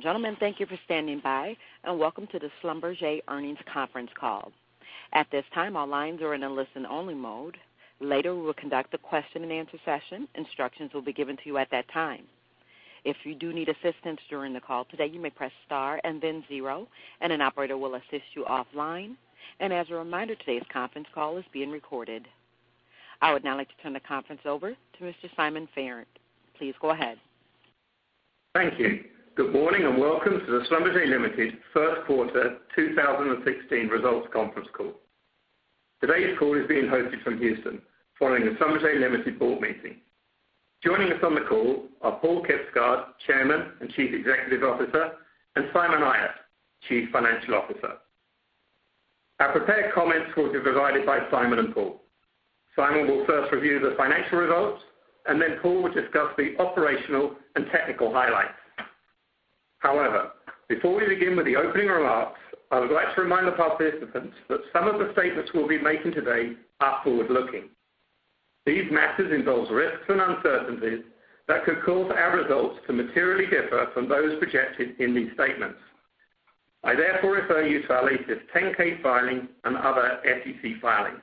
Ladies and gentlemen, thank you for standing by, and welcome to the Schlumberger Earnings Conference Call. At this time, all lines are in a listen-only mode. Later, we will conduct a question-and-answer session. Instructions will be given to you at that time. If you do need assistance during the call today, you may press star and then zero, and an operator will assist you offline. As a reminder, today's conference call is being recorded. I would now like to turn the conference over to Mr. Simon Farrant. Please go ahead. Thank you. Good morning and welcome to the Schlumberger Limited First Quarter 2016 Results Conference Call. Today's call is being hosted from Houston following the Schlumberger Limited board meeting. Joining us on the call are Paal Kibsgaard, Chairman and Chief Executive Officer, and Simon Ayat, Chief Financial Officer. Our prepared comments will be provided by Simon and Paal. Simon will first review the financial results, then Paal will discuss the operational and technical highlights. Before we begin with the opening remarks, I would like to remind the participants that some of the statements we'll be making today are forward-looking. These matters involve risks and uncertainties that could cause our results to materially differ from those projected in these statements. I therefore refer you to our latest 10-K filing and other SEC filings.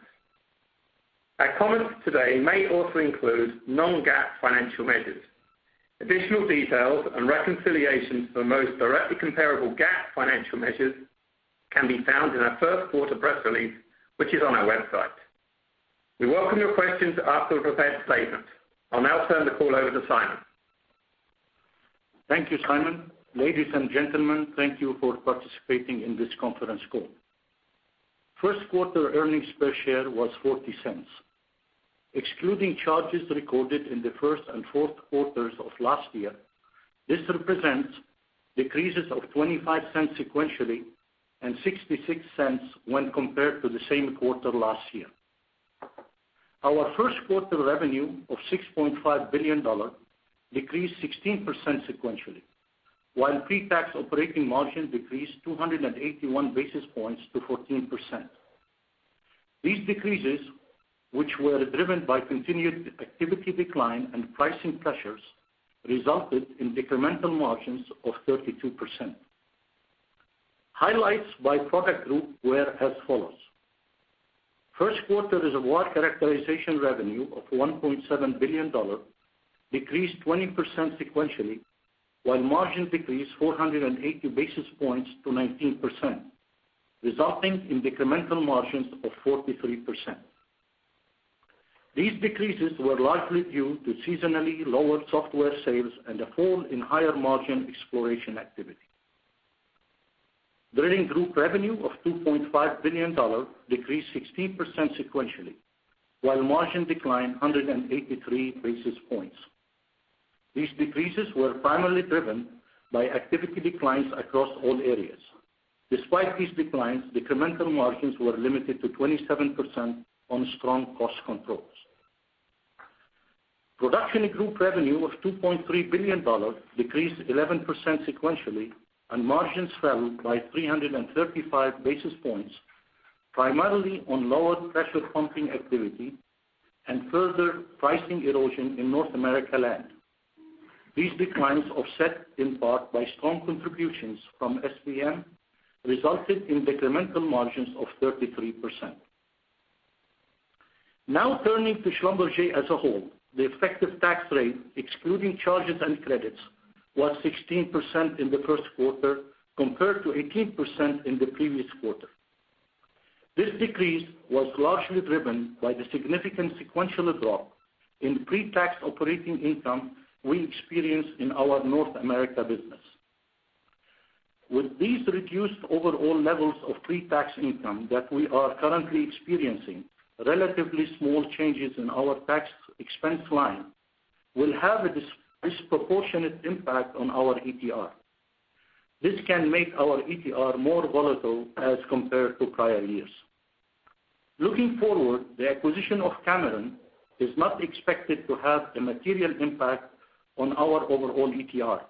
Our comments today may also include non-GAAP financial measures. Additional details and reconciliations to the most directly comparable GAAP financial measures can be found in our first quarter press release, which is on our website. We welcome your questions after the prepared statements. I'll now turn the call over to Simon. Thank you, Simon. Ladies and gentlemen, thank you for participating in this conference call. First quarter earnings per share was $0.40. Excluding charges recorded in the first and fourth quarters of last year, this represents decreases of $0.25 sequentially and $0.66 when compared to the same quarter last year. Our first quarter revenue of $6.5 billion decreased 16% sequentially, while pre-tax operating margin decreased 281 basis points to 14%. These decreases, which were driven by continued activity decline and pricing pressures, resulted in incremental margins of 32%. Highlights by product group were as follows. First quarter reservoir characterization revenue of $1.7 billion decreased 20% sequentially, while margins decreased 480 basis points to 19%, resulting in incremental margins of 43%. These decreases were largely due to seasonally lower software sales and a fall in higher-margin exploration activity. Drilling group revenue of $2.5 billion decreased 16% sequentially, while margin declined 183 basis points. These decreases were primarily driven by activity declines across all areas. Despite these declines, incremental margins were limited to 27% on strong cost controls. Production group revenue of $2.3 billion decreased 11% sequentially, and margins fell by 335 basis points, primarily on lower pressure pumping activity and further pricing erosion in North America Land. These declines, offset in part by strong contributions from SPM, resulted in incremental margins of 33%. Turning to Schlumberger as a whole. The effective tax rate, excluding charges and credits, was 16% in the first quarter, compared to 18% in the previous quarter. This decrease was largely driven by the significant sequential drop in pre-tax operating income we experienced in our North America business. With these reduced overall levels of pre-tax income that we are currently experiencing, relatively small changes in our tax expense line will have a disproportionate impact on our ETR. This can make our ETR more volatile as compared to prior years. Looking forward, the acquisition of Cameron is not expected to have a material impact on our overall ETR.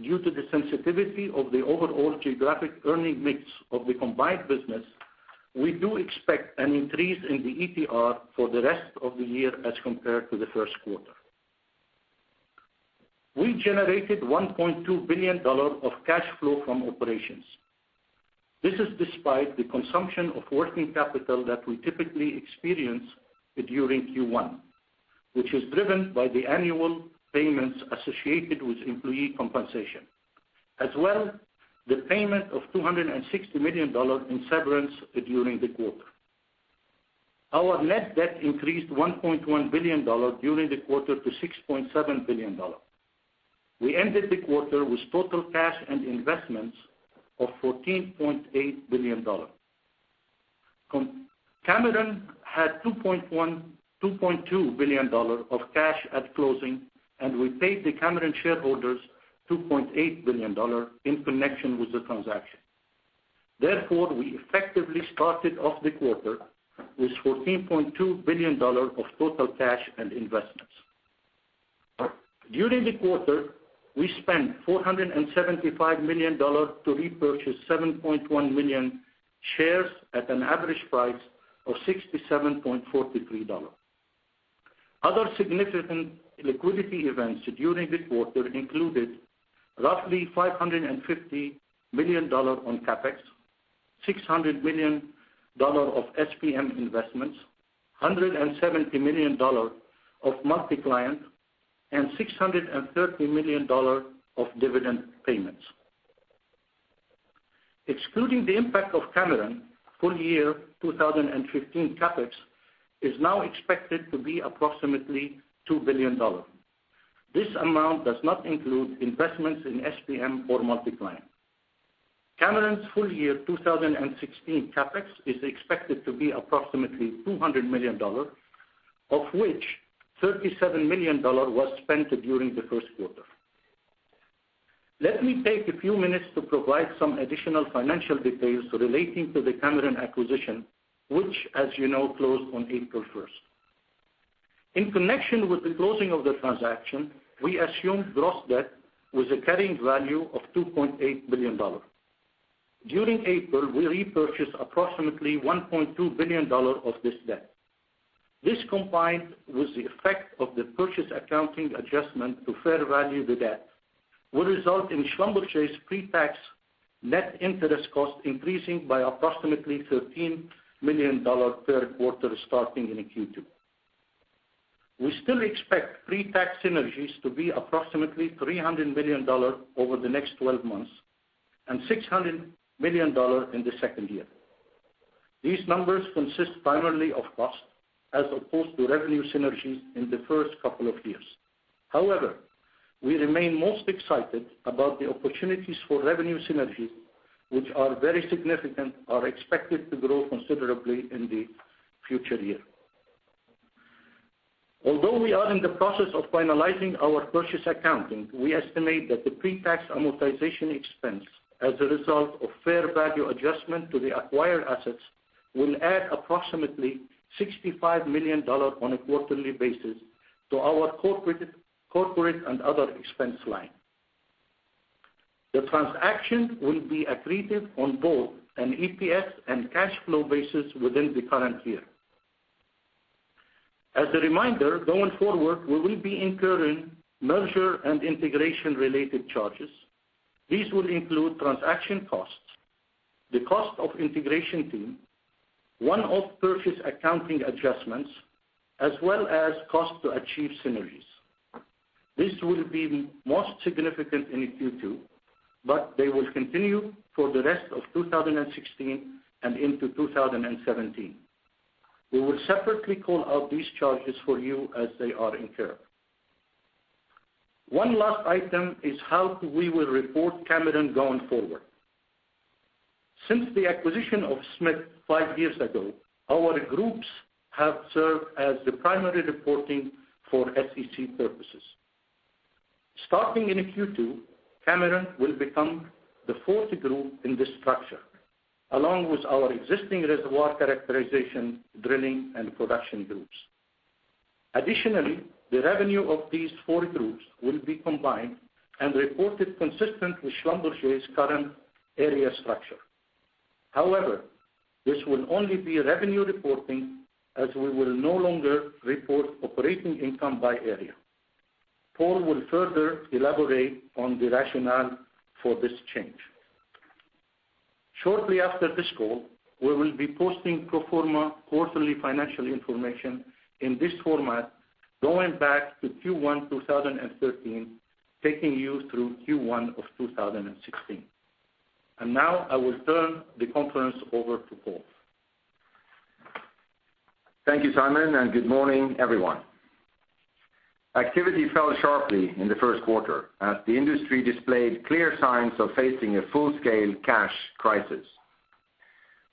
Due to the sensitivity of the overall geographic earning mix of the combined business, we do expect an increase in the ETR for the rest of the year as compared to the first quarter. We generated $1.2 billion of cash flow from operations. This is despite the consumption of working capital that we typically experience during Q1, which is driven by the annual payments associated with employee compensation. The payment of $260 million in severance during the quarter. Our net debt increased $1.1 billion during the quarter to $6.7 billion. We ended the quarter with total cash and investments of $14.8 billion. Cameron had $2.2 billion of cash at closing, and we paid the Cameron shareholders $2.8 billion in connection with the transaction. We effectively started off the quarter with $14.2 billion of total cash and investments. During the quarter, we spent $475 million to repurchase 7.1 million shares at an average price of $67.43. Other significant liquidity events during this quarter included roughly $550 million on CapEx, $600 million of SPM investments, $170 million of Multi-Client, and $630 million of dividend payments. Excluding the impact of Cameron, full year 2015 CapEx is now expected to be approximately $2 billion. This amount does not include investments in SPM or Multi-Client. Cameron's full year 2016 CapEx is expected to be approximately $200 million, of which $37 million was spent during the first quarter. Let me take a few minutes to provide some additional financial details relating to the Cameron acquisition, which as you know closed on April 1st. In connection with the closing of the transaction, we assumed gross debt with a carrying value of $2.8 billion. During April, we repurchased approximately $1.2 billion of this debt. This combined with the effect of the purchase accounting adjustment to fair value the debt, will result in Schlumberger's pretax net interest cost increasing by approximately $13 million per quarter starting in Q2. We still expect pretax synergies to be approximately $300 million over the next 12 months and $600 million in the second year. These numbers consist primarily of cost as opposed to revenue synergies in the first couple of years. We remain most excited about the opportunities for revenue synergies, which are very significant, are expected to grow considerably in the future year. Although we are in the process of finalizing our purchase accounting, we estimate that the pretax amortization expense as a result of fair value adjustment to the acquired assets will add approximately $65 million on a quarterly basis to our corporate and other expense line. The transaction will be accretive on both an EPS and cash flow basis within the current year. As a reminder, going forward, we will be incurring merger and integration related charges. These will include transaction costs, the cost of integration team, one-off purchase accounting adjustments, as well as cost to achieve synergies. This will be most significant in Q2, but they will continue for the rest of 2016 and into 2017. We will separately call out these charges for you as they are incurred. One last item is how we will report Cameron going forward. Since the acquisition of Smith five years ago, our groups have served as the primary reporting for SEC purposes. Starting in Q2, Cameron will become the fourth group in this structure, along with our existing reservoir characterization, drilling, and production groups. Additionally, the revenue of these four groups will be combined and reported consistent with Schlumberger's current area structure. This will only be revenue reporting as we will no longer report operating income by area. Paul will further elaborate on the rationale for this change. Shortly after this call, we will be posting pro forma quarterly financial information in this format, going back to Q1 2013, taking you through Q1 of 2016. Now I will turn the conference over to Paul. Thank you, Simon, good morning, everyone. Activity fell sharply in the first quarter as the industry displayed clear signs of facing a full-scale cash crisis.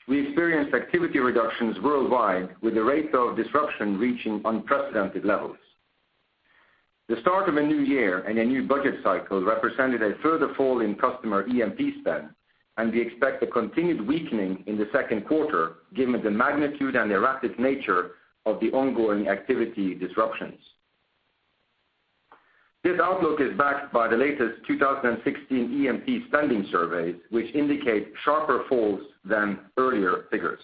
We experienced activity reductions worldwide with the rate of disruption reaching unprecedented levels. The start of a new year a new budget cycle represented a further fall in customer E&P spend, we expect a continued weakening in the second quarter given the magnitude and the rapid nature of the ongoing activity disruptions. This outlook is backed by the latest 2016 E&P spending surveys, which indicate sharper falls than earlier figures.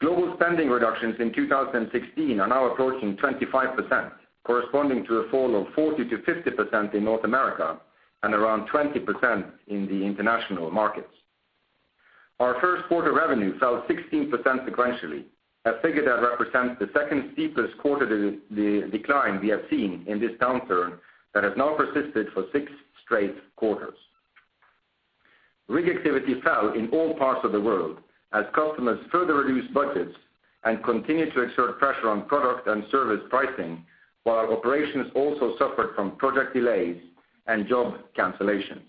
Global spending reductions in 2016 are now approaching 25%, corresponding to a fall of 40%-50% in North America and around 20% in the international markets. Our first quarter revenue fell 16% sequentially, a figure that represents the second steepest quarter decline we have seen in this downturn that has now persisted for six straight quarters. Rig activity fell in all parts of the world as customers further reduced budgets and continued to exert pressure on product and service pricing while our operations also suffered from project delays and job cancellations.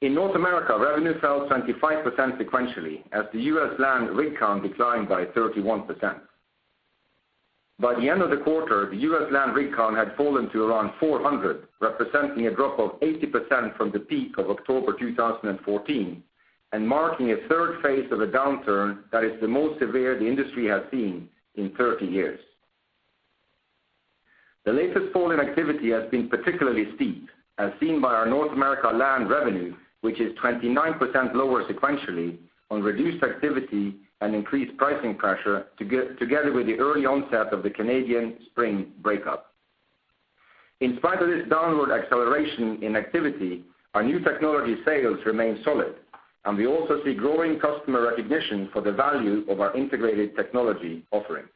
In North America, revenue fell 25% sequentially as the U.S. land rig count declined by 31%. By the end of the quarter, the U.S. land rig count had fallen to around 400, representing a drop of 80% from the peak of October 2014 and marking a third phase of a downturn that is the most severe the industry has seen in 30 years. The latest fall in activity has been particularly steep, as seen by our North America land revenue, which is 29% lower sequentially on reduced activity and increased pricing pressure together with the early onset of the Canadian spring breakup. In spite of this downward acceleration in activity, our new technology sales remain solid, and we also see growing customer recognition for the value of our integrated technology offering.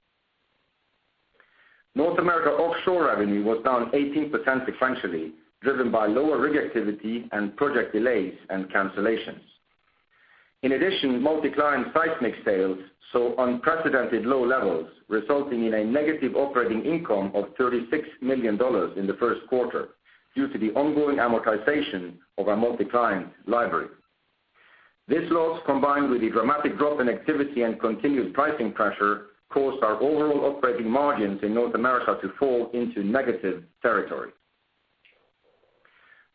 North America offshore revenue was down 18% sequentially, driven by lower rig activity and project delays and cancellations. In addition, Multi-Client seismic sales saw unprecedented low levels, resulting in a negative operating income of $36 million in the first quarter due to the ongoing amortization of our Multi-Client library. This loss, combined with the dramatic drop in activity and continued pricing pressure, caused our overall operating margins in North America to fall into negative territory.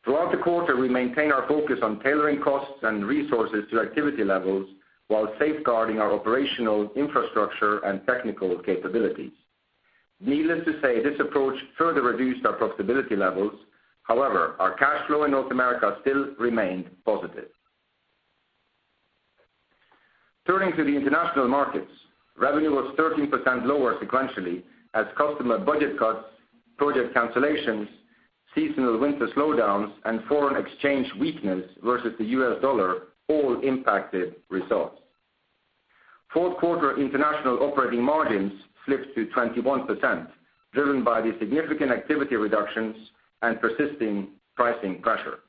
Throughout the quarter, we maintained our focus on tailoring costs and resources to activity levels while safeguarding our operational infrastructure and technical capabilities. Needless to say, this approach further reduced our profitability levels. However, our cash flow in North America still remained positive. Turning to the international markets, revenue was 13% lower sequentially as customer budget cuts, project cancellations, seasonal winter slowdowns, and foreign exchange weakness versus the US dollar all impacted results. Fourth-quarter international operating margins slipped to 21%, driven by the significant activity reductions and persisting pricing pressure.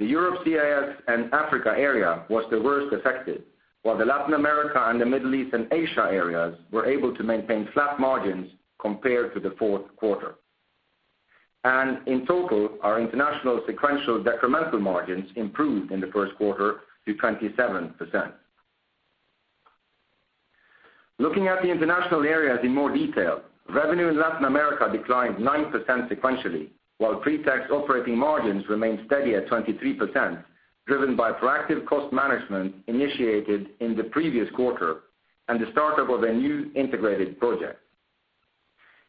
The Europe, CIS, and Africa area was the worst affected, while the Latin America and the Middle East and Asia areas were able to maintain flat margins compared to the fourth quarter. In total, our international sequential decremental margins improved in the first quarter to 27%. Looking at the international areas in more detail, revenue in Latin America declined 9% sequentially, while pre-tax operating margins remained steady at 23%, driven by proactive cost management initiated in the previous quarter and the startup of a new integrated project.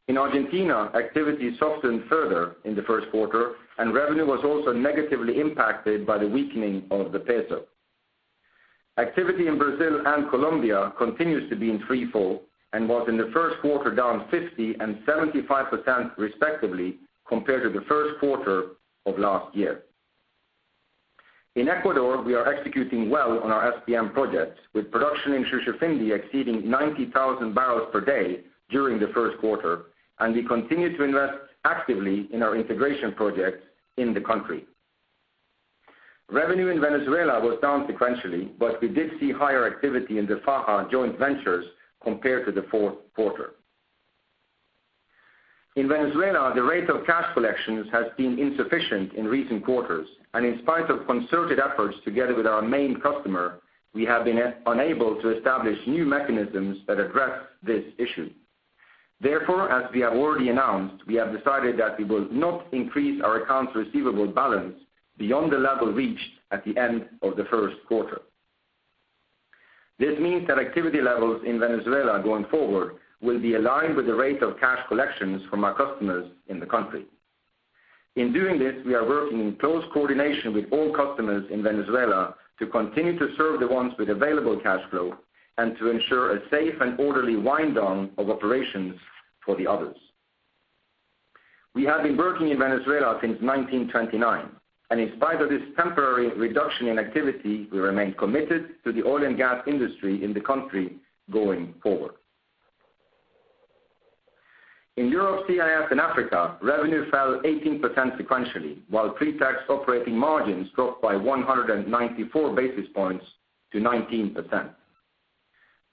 In Argentina, activity softened further in the first quarter. Revenue was also negatively impacted by the weakening of the peso. Activity in Brazil and Colombia continues to be in free fall and was in the first quarter down 50% and 75%, respectively, compared to the first quarter of last year. In Ecuador, we are executing well on our SPM projects, with production in Shushufindi exceeding 90,000 barrels per day during the first quarter, and we continue to invest actively in our integration projects in the country. Revenue in Venezuela was down sequentially. We did see higher activity in the Faja joint ventures compared to the fourth quarter. In Venezuela, the rate of cash collections has been insufficient in recent quarters. In spite of concerted efforts together with our main customer, we have been unable to establish new mechanisms that address this issue. As we have already announced, we have decided that we will not increase our accounts receivable balance beyond the level reached at the end of the first quarter. This means that activity levels in Venezuela going forward will be aligned with the rate of cash collections from our customers in the country. In doing this, we are working in close coordination with all customers in Venezuela to continue to serve the ones with available cash flow and to ensure a safe and orderly wind down of operations for the others. We have been working in Venezuela since 1929, in spite of this temporary reduction in activity, we remain committed to the oil and gas industry in the country going forward. In Europe, CIS, and Africa, revenue fell 18% sequentially, while pre-tax operating margins dropped by 194 basis points to 19%.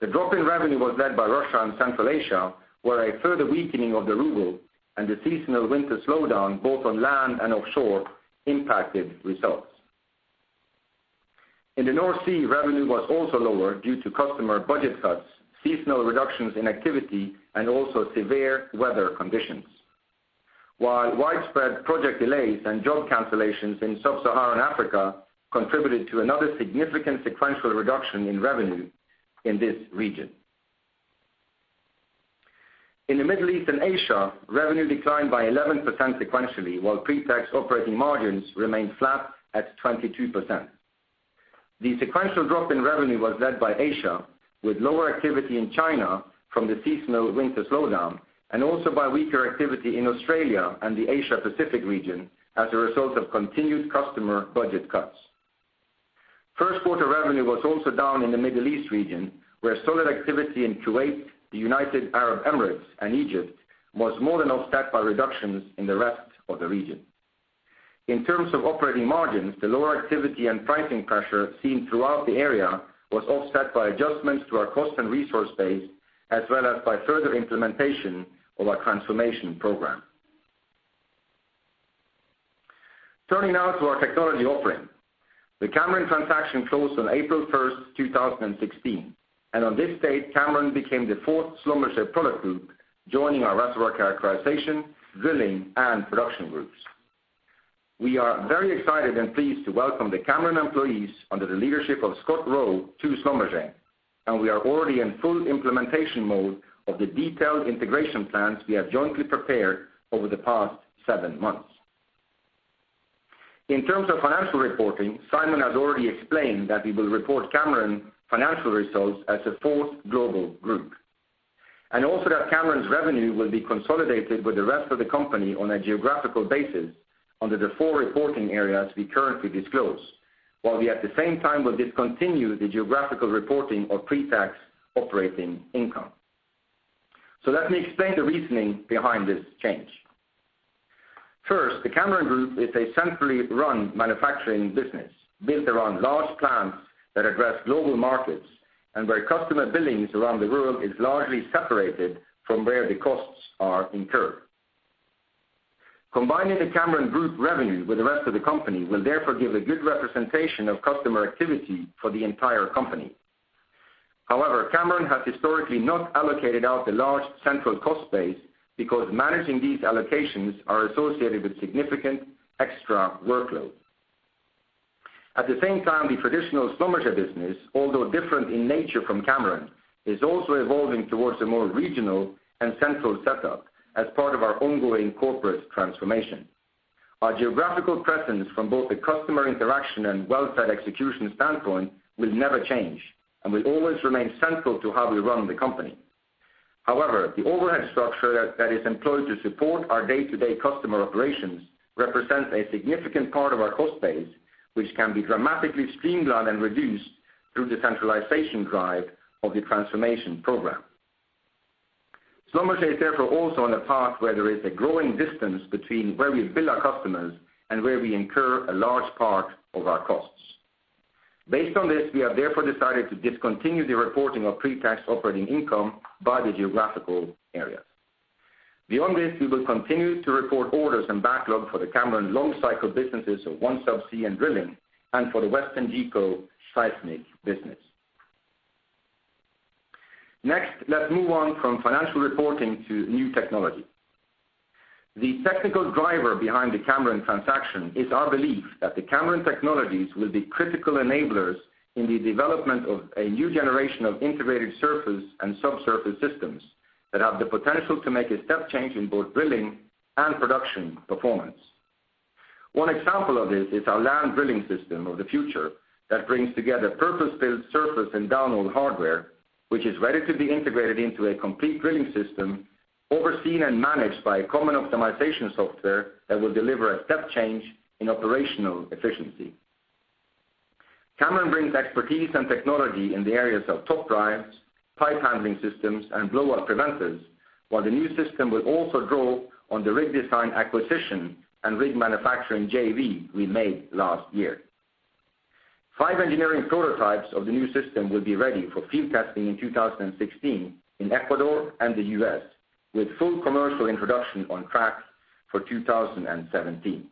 The drop in revenue was led by Russia and Central Asia, where a further weakening of the ruble and the seasonal winter slowdown, both on land and offshore, impacted results. In the North Sea, revenue was also lower due to customer budget cuts, seasonal reductions in activity, and severe weather conditions. Widespread project delays and job cancellations in Sub-Saharan Africa contributed to another significant sequential reduction in revenue in this region. In the Middle East and Asia, revenue declined by 11% sequentially, while pre-tax operating margins remained flat at 22%. The sequential drop in revenue was led by Asia, with lower activity in China from the seasonal winter slowdown, by weaker activity in Australia and the Asia-Pacific region as a result of continued customer budget cuts. First quarter revenue was also down in the Middle East region, where solid activity in Kuwait, the United Arab Emirates, and Egypt was more than offset by reductions in the rest of the region. In terms of operating margins, the lower activity and pricing pressure seen throughout the area was offset by adjustments to our cost and resource base, as well as by further implementation of our transformation program. Turning now to our technology offering. The Cameron transaction closed on April 1st, 2016, on this date, Cameron became the fourth Schlumberger product group, joining our reservoir characterization, drilling, and production groups. We are very excited and pleased to welcome the Cameron employees under the leadership of Scott Rowe to Schlumberger. We are already in full implementation mode of the detailed integration plans we have jointly prepared over the past seven months. In terms of financial reporting, Simon has already explained that we will report Cameron financial results as a fourth global group, that Cameron's revenue will be consolidated with the rest of the company on a geographical basis under the four reporting areas we currently disclose. We, at the same time, will discontinue the geographical reporting of pre-tax operating income. Let me explain the reasoning behind this change. First, the Cameron Group is a centrally run manufacturing business built around large plants that address global markets and where customer billings around the world is largely separated from where the costs are incurred. Combining the Cameron Group revenue with the rest of the company will therefore give a good representation of customer activity for the entire company. However, Cameron has historically not allocated out the large central cost base because managing these allocations are associated with significant extra workload. At the same time, the traditional Schlumberger business, although different in nature from Cameron, is also evolving towards a more regional and central setup as part of our ongoing corporate transformation. Our geographical presence from both a customer interaction and well site execution standpoint will never change and will always remain central to how we run the company. However, the overhead structure that is employed to support our day-to-day customer operations represents a significant part of our cost base, which can be dramatically streamlined and reduced through the centralization drive of the transformation program. Schlumberger is therefore also on a path where there is a growing distance between where we bill our customers and where we incur a large part of our costs. Based on this, we have therefore decided to discontinue the reporting of pre-tax operating income by the geographical area. Beyond this, we will continue to report orders and backlog for the Cameron long cycle businesses of OneSubsea and Drilling and for the WesternGeco seismic business. Let's move on from financial reporting to new technology. The technical driver behind the Cameron transaction is our belief that the Cameron technologies will be critical enablers in the development of a new generation of integrated surface and subsurface systems that have the potential to make a step change in both drilling and production performance. One example of this is our land drilling system of the future that brings together purpose-built surface and downhole hardware, which is ready to be integrated into a complete drilling system overseen and managed by a common optimization software that will deliver a step change in operational efficiency. Cameron brings expertise and technology in the areas of top drives, pipe handling systems, and blowout preventers, while the new system will also draw on the rig design acquisition and rig manufacturing JV we made last year. Five engineering prototypes of the new system will be ready for field testing in 2016 in Ecuador and the U.S., with full commercial introduction on track for 2017.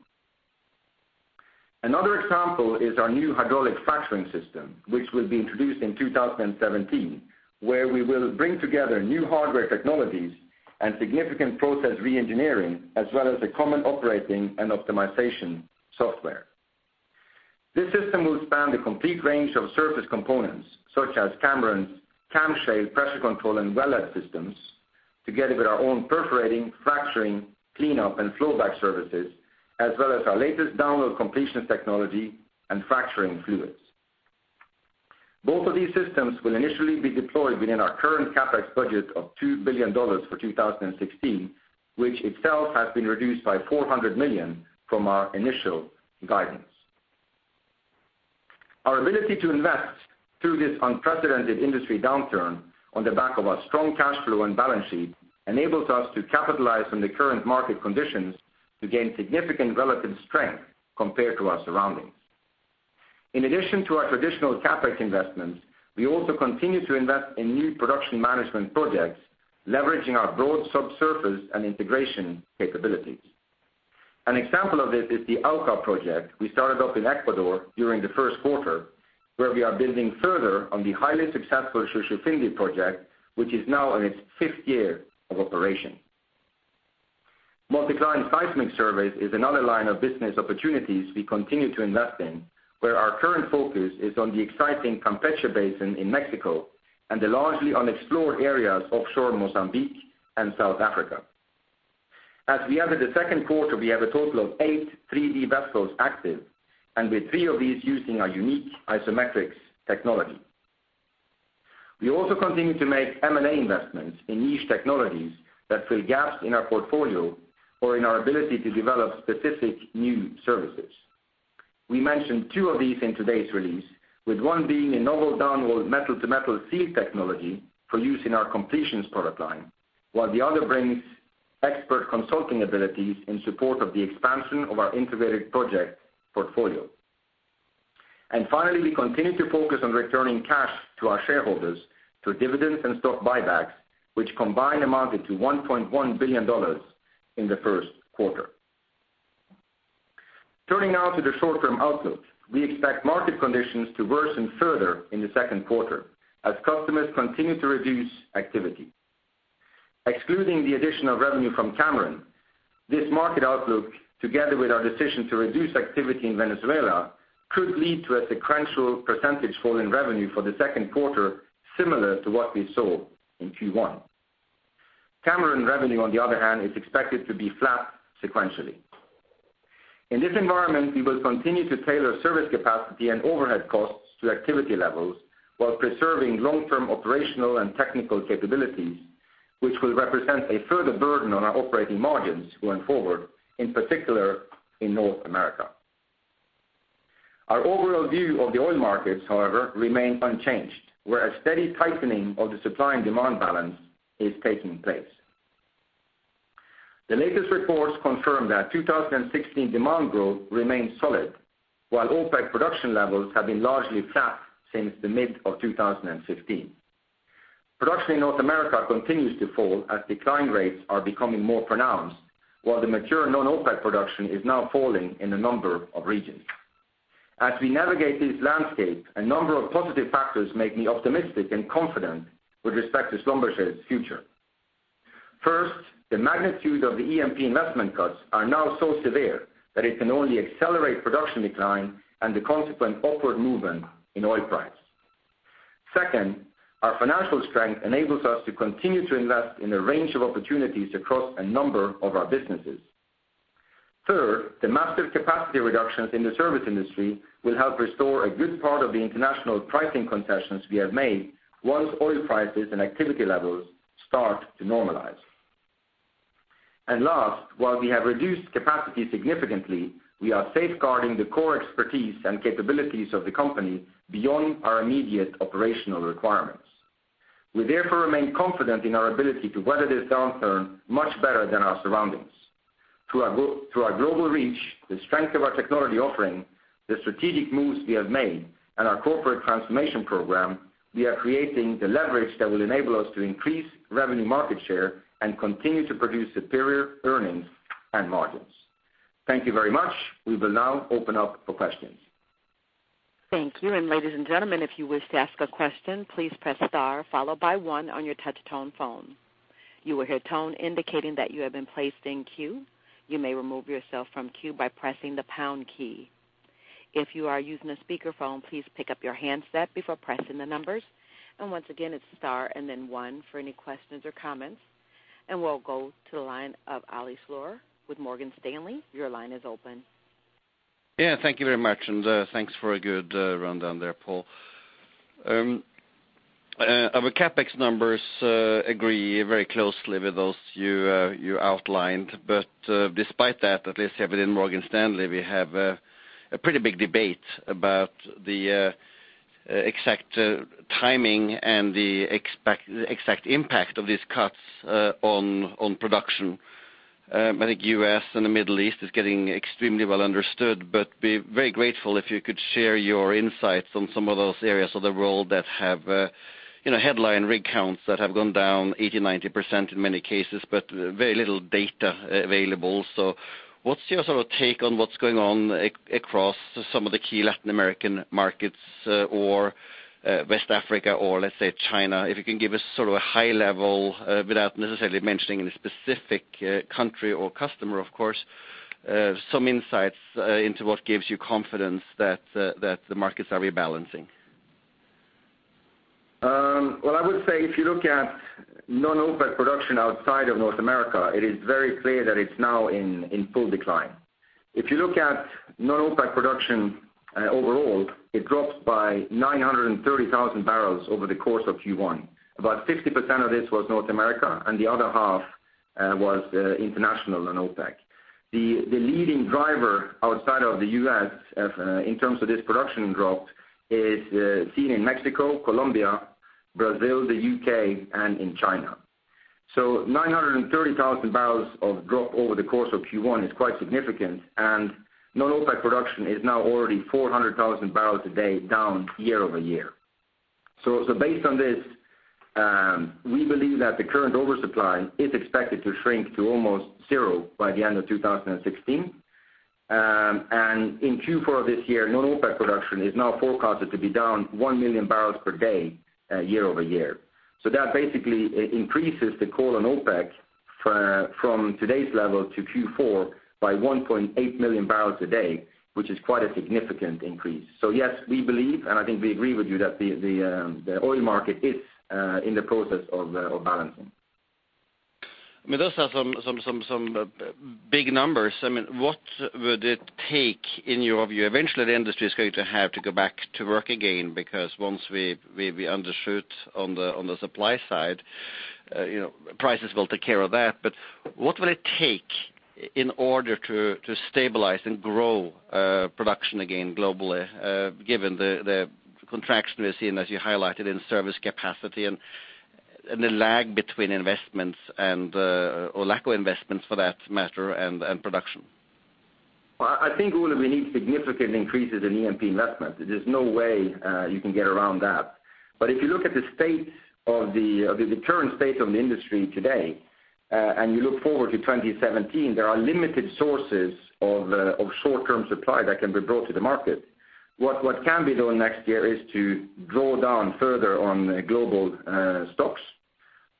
Another example is our new hydraulic fracturing system, which will be introduced in 2017, where we will bring together new hardware technologies and significant process re-engineering, as well as a common operating and optimization software. This system will span the complete range of surface components, such as Cameron's CamShale pressure control and wellhead systems, together with our own perforating, fracturing, cleanup, and flowback services, as well as our latest downhole completion technology and fracturing fluids. Both of these systems will initially be deployed within our current CapEx budget of $2 billion for 2016, which itself has been reduced by $400 million from our initial guidance. Our ability to invest through this unprecedented industry downturn on the back of our strong cash flow and balance sheet enables us to capitalize on the current market conditions to gain significant relative strength compared to our surroundings. In addition to our traditional CapEx investments, we also continue to invest in new production management projects leveraging our broad subsurface and integration capabilities. An example of this is the Auca project we started up in Ecuador during the first quarter, where we are building further on the highly successful Shushufindi project, which is now in its fifth year of operation. Multi-Client seismic surveys is another line of business opportunities we continue to invest in, where our current focus is on the exciting Campeche Basin in Mexico and the largely unexplored areas offshore Mozambique and South Africa. As we enter the second quarter, we have a total of eight 3D vessels active and with three of these using our unique IsoMetrix technology. We also continue to make M&A investments in niche technologies that fill gaps in our portfolio or in our ability to develop specific new services. We mentioned two of these in today's release, with one being a novel downhole metal-to-metal seal technology for use in our completions product line, while the other brings expert consulting abilities in support of the expansion of our integrated project portfolio. Finally, we continue to focus on returning cash to our shareholders through dividends and stock buybacks, which combined amounted to $1.1 billion in the first quarter. Turning now to the short-term outlook. We expect market conditions to worsen further in the second quarter as customers continue to reduce activity. Excluding the additional revenue from Cameron, this market outlook, together with our decision to reduce activity in Venezuela, could lead to a sequential percentage fall in revenue for the second quarter, similar to what we saw in Q1. Cameron revenue, on the other hand, is expected to be flat sequentially. In this environment, we will continue to tailor service capacity and overhead costs to activity levels while preserving long-term operational and technical capabilities, which will represent a further burden on our operating margins going forward, in particular in North America. Our overall view of the oil markets, however, remains unchanged, where a steady tightening of the supply and demand balance is taking place. The latest reports confirm that 2016 demand growth remains solid, while OPEC production levels have been largely flat since the mid of 2015. Production in North America continues to fall as decline rates are becoming more pronounced, while the mature non-OPEC production is now falling in a number of regions. As we navigate this landscape, a number of positive factors make me optimistic and confident with respect to Schlumberger's future. First, the magnitude of the E&P investment cuts are now so severe that it can only accelerate production decline and the consequent upward movement in oil price. Second, our financial strength enables us to continue to invest in a range of opportunities across a number of our businesses. Third, the massive capacity reductions in the service industry will help restore a good part of the international pricing concessions we have made once oil prices and activity levels start to normalize. Last, while we have reduced capacity significantly, we are safeguarding the core expertise and capabilities of the company beyond our immediate operational requirements. We therefore remain confident in our ability to weather this downturn much better than our surroundings. Through our global reach, the strength of our technology offering, the strategic moves we have made, and our corporate transformation program, we are creating the leverage that will enable us to increase revenue market share and continue to produce superior earnings and margins. Thank you very much. We will now open up for questions. Thank you. Ladies and gentlemen, if you wish to ask a question, please press star followed by one on your touch-tone phone. You will hear a tone indicating that you have been placed in queue. You may remove yourself from queue by pressing the pound key. If you are using a speakerphone, please pick up your handset before pressing the numbers. Once again, it's star and then one for any questions or comments. We'll go to the line of Ole Slorer with Morgan Stanley. Your line is open. Thank you very much, and thanks for a good rundown there, Paal. Our CapEx numbers agree very closely with those you outlined. Despite that, at least here within Morgan Stanley, we have a pretty big debate about the exact timing and the exact impact of these cuts on production. I think U.S. and the Middle East is getting extremely well understood, but be very grateful if you could share your insights on some of those areas of the world that have headline rig counts that have gone down 80%-90% in many cases, but very little data available. What's your take on what's going on across some of the key Latin American markets or West Africa or let's say, China? If you can give us a high level, without necessarily mentioning any specific country or customer, of course, some insights into what gives you confidence that the markets are rebalancing. Well, I would say if you look at non-OPEC production outside of North America, it is very clear that it's now in full decline. If you look at non-OPEC production overall, it dropped by 930,000 barrels over the course of Q1. About 60% of this was North America. The other half was international non-OPEC. The leading driver outside of the U.S. in terms of this production drop is seen in Mexico, Colombia, Brazil, the U.K., and in China. 930,000 barrels of drop over the course of Q1 is quite significant. Non-OPEC production is now already 400,000 barrels a day down year-over-year. Based on this, we believe that the current oversupply is expected to shrink to almost zero by the end of 2016. In Q4 of this year, non-OPEC production is now forecasted to be down 1 million barrels per day year-over-year. That basically increases the call on OPEC from today's level to Q4 by 1.8 million barrels a day, which is quite a significant increase. Yes, we believe, and I think we agree with you that the oil market is in the process of balancing. Those are some big numbers. What would it take in your view? Eventually, the industry is going to have to go back to work again, because once we undershoot on the supply side, prices will take care of that. What will it take in order to stabilize and grow production again globally, given the contraction we're seeing, as you highlighted in service capacity, and the lag between investments and, or lack of investments for that matter, and production? Well, I think, Ole, we need significant increases in E&P investment. There's no way you can get around that. If you look at the current state of the industry today, and you look forward to 2017, there are limited sources of short-term supply that can be brought to the market. What can be done next year is to draw down further on global stocks.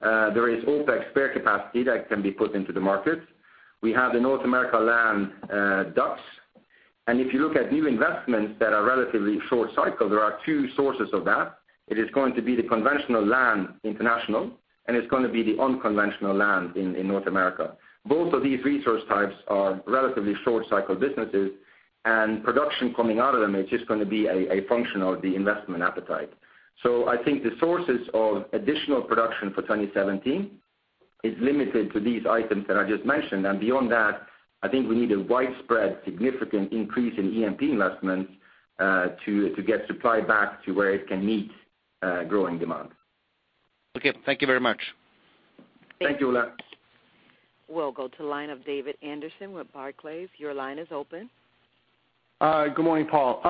There is OPEC spare capacity that can be put into the market. We have the North America land DUCs, and if you look at new investments that are relatively short cycle, there are two sources of that. It is going to be the conventional land international, and it's going to be the unconventional land in North America. Both of these resource types are relatively short-cycle businesses, and production coming out of them is just going to be a function of the investment appetite. I think the sources of additional production for 2017 is limited to these items that I just mentioned. Beyond that, I think we need a widespread significant increase in E&P investments, to get supply back to where it can meet growing demand. Okay. Thank you very much. Thank you, Ole. We'll go to line of David Anderson with Barclays. Your line is open. Good morning, Paal.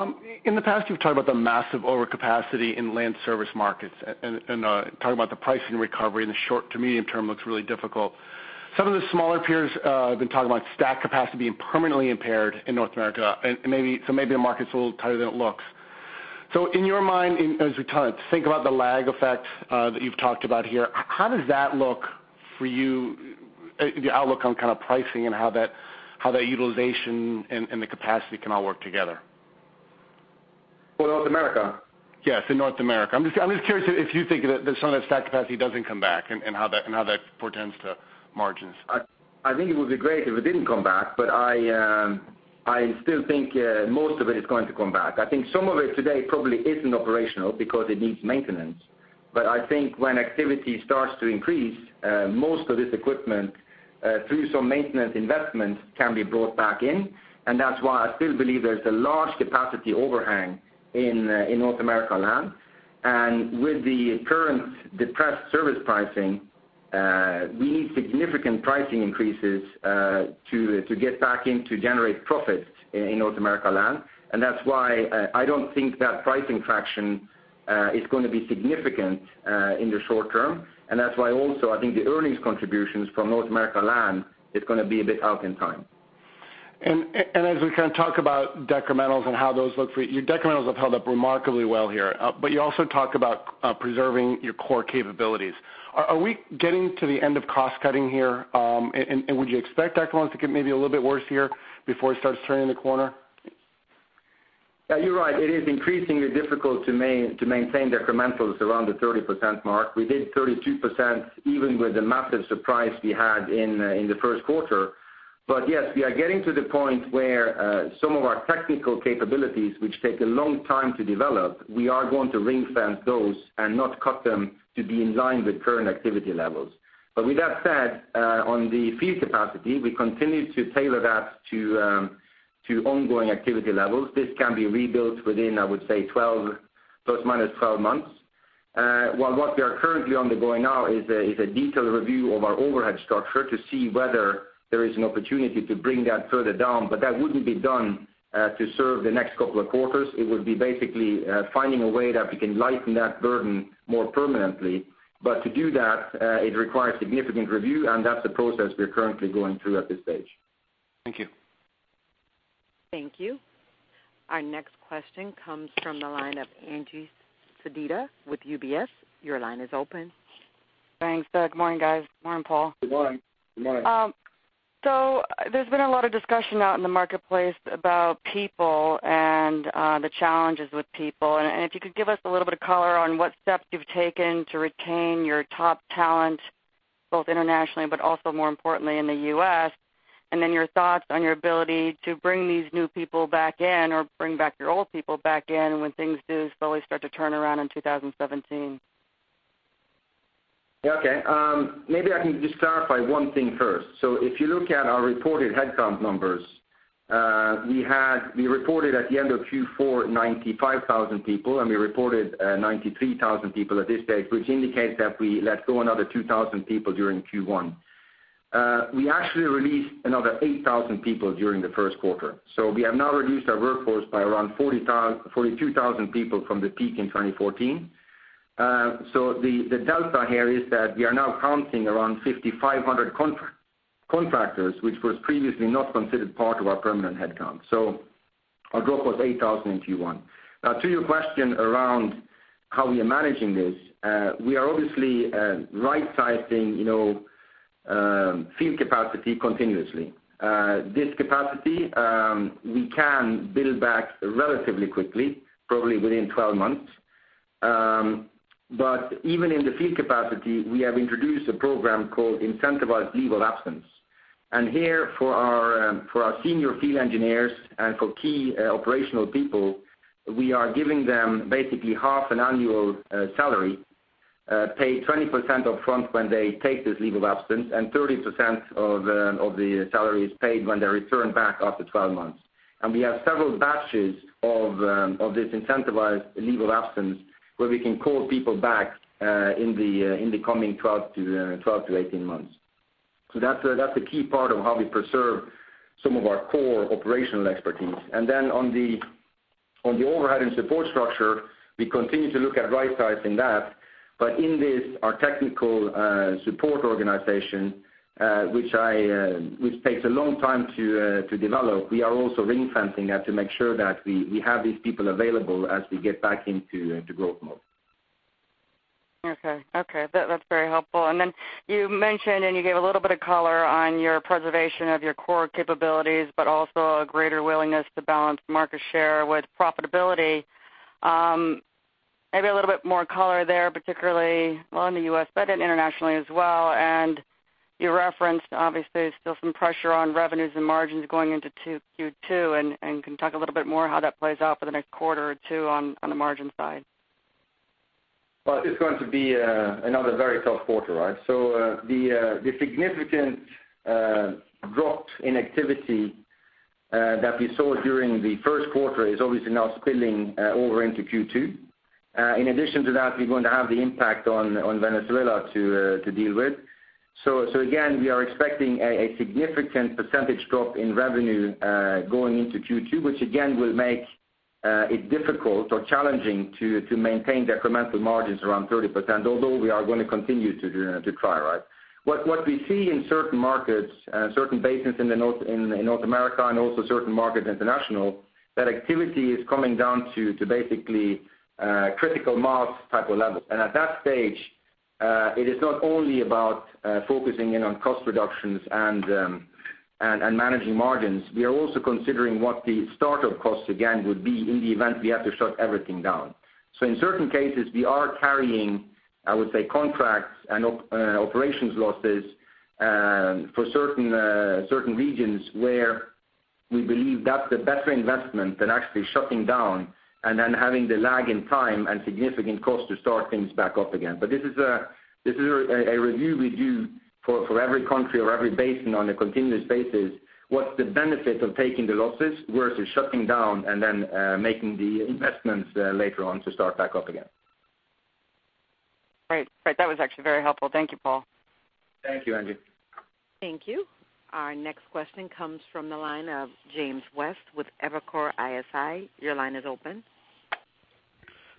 In the past, you've talked about the massive overcapacity in land service markets and talked about the pricing recovery in the short to medium term looks really difficult. Some of the smaller peers have been talking about stack capacity being permanently impaired in North America, maybe the market's a little tighter than it looks. In your mind, as we think about the lag effect that you've talked about here, how does that look for you, the outlook on pricing and how that utilization and the capacity can all work together? For North America? Yes, in North America. I'm just curious if you think that some of that stack capacity doesn't come back and how that portends to margins. I think it would be great if it didn't come back, I still think most of it is going to come back. I think some of it today probably isn't operational because it needs maintenance. I think when activity starts to increase, most of this equipment, through some maintenance investments, can be brought back in, and that's why I still believe there's a large capacity overhang in North America land. With the current depressed service pricing, we need significant pricing increases to get back in to generate profits in North America land. That's why I don't think that pricing traction is going to be significant in the short term. That's why also I think the earnings contributions from North America land is going to be a bit out in time. As we talk about decrementals and how those look for you, your decrementals have held up remarkably well here. You also talk about preserving your core capabilities. Are we getting to the end of cost-cutting here? Would you expect decrementals to get maybe a little bit worse here before it starts turning the corner? Yeah, you're right. It is increasingly difficult to maintain decrementals around the 30% mark. We did 32% even with the massive surprise we had in the first quarter. Yes, we are getting to the point where some of our technical capabilities, which take a long time to develop, we are going to ring-fence those and not cut them to be in line with current activity levels. With that said, on the field capacity, we continue to tailor that to ongoing activity levels. This can be rebuilt within, I would say, ±12 months. While what we are currently undergoing now is a detailed review of our overhead structure to see whether there is an opportunity to bring that further down. That wouldn't be done to serve the next couple of quarters. It would be basically finding a way that we can lighten that burden more permanently. To do that, it requires significant review, and that's the process we're currently going through at this stage. Thank you. Thank you. Our next question comes from the line of Angie Sedita with UBS. Your line is open. Thanks. Good morning, guys. Good morning, Paal. Good morning. There's been a lot of discussion out in the marketplace about people and the challenges with people. If you could give us a little bit of color on what steps you've taken to retain your top talent, both internationally but also more importantly in the U.S., then your thoughts on your ability to bring these new people back in or bring back your old people back in when things do slowly start to turn around in 2017. Okay. Maybe I can just clarify one thing first. If you look at our reported headcount numbers, we reported at the end of Q4 95,000 people, we reported 93,000 people at this stage, which indicates that we let go another 2,000 people during Q1. We actually released another 8,000 people during the first quarter. We have now reduced our workforce by around 42,000 people from the peak in 2014. The delta here is that we are now counting around 5,500 contractors, which was previously not considered part of our permanent headcount. Our drop was 8,000 in Q1. To your question around how we are managing this, we are obviously right-sizing field capacity continuously. This capacity we can build back relatively quickly, probably within 12 months. Even in the field capacity, we have introduced a program called Incentivized Leave of Absence. For our senior field engineers and for key operational people, we are giving them basically half an annual salary, paid 20% up front when they take this Incentivized Leave of Absence, and 30% of the salary is paid when they return back after 12 months. We have several batches of this Incentivized Leave of Absence where we can call people back in the coming 12 to 18 months. That's a key part of how we preserve some of our core operational expertise. On the overhead and support structure, we continue to look at right-sizing that. In this, our technical support organization, which takes a long time to develop, we are also ring-fencing that to make sure that we have these people available as we get back into growth mode. Okay. That's very helpful. Then you mentioned, and you gave a little bit of color on your preservation of your core capabilities, but also a greater willingness to balance market share with profitability. Maybe a little bit more color there, particularly, well, in the U.S., but in internationally as well. You referenced, obviously, there's still some pressure on revenues and margins going into Q2. Can you talk a little bit more how that plays out for the next quarter or two on the margin side? Well, it's going to be another very tough quarter. The significant drop in activity that we saw during the first quarter is obviously now spilling over into Q2. In addition to that, we're going to have the impact on Venezuela to deal with. Again, we are expecting a significant percentage drop in revenue going into Q2, which again, will make it difficult or challenging to maintain incremental margins around 30%, although we are going to continue to try. What we see in certain markets and certain basins in North America and also certain markets international, that activity is coming down to basically critical mass type of level. At that stage, it is not only about focusing in on cost reductions and managing margins. We are also considering what the startup costs, again, would be in the event we have to shut everything down. In certain cases, we are carrying, I would say, contracts and operations losses for certain regions where we believe that's a better investment than actually shutting down and then having the lag in time and significant cost to start things back up again. This is a review we do for every country or every basin on a continuous basis, what the benefit of taking the losses versus shutting down and then making the investments later on to start back up again. Great. That was actually very helpful. Thank you, Paal. Thank you, Angie. Thank you. Our next question comes from the line of James West with Evercore ISI. Your line is open.